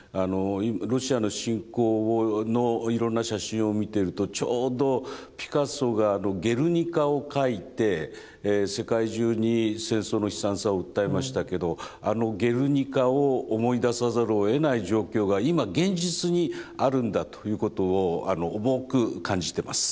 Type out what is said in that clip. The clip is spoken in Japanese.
ロシアの侵攻のいろんな写真を見てるとちょうどピカソが「ゲルニカ」を描いて世界中に戦争の悲惨さを訴えましたけどあの「ゲルニカ」を思い出さざるをえない状況が今現実にあるんだということを重く感じてます。